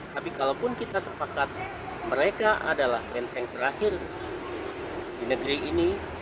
tapi kalaupun kita sepakat mereka adalah lenteng terakhir di negeri ini